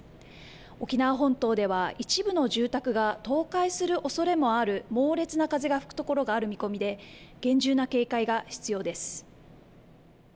沖縄本島では一部の住宅が倒壊するおそれもある猛烈な風が吹く所がある見込みで厳重な警戒が必要です。